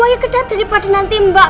ayo ke dalam daripada nanti mbak